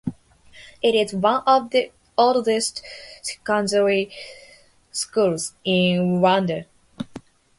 It is one of the oldest secondary schools in Rwanda.